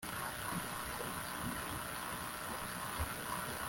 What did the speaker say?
Img Img h Img Img Lk